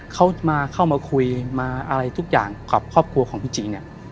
เขามาเข้ามาคุยมาอะไรทุกอย่างกับครอบครัวของพี่จีเนี่ย